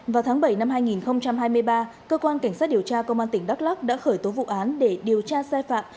vào tháng bảy năm hai nghìn hai mươi ba cơ quan cảnh sát điều tra công an tỉnh đắk lắc đã khởi tố vụ án để điều tra sai phạm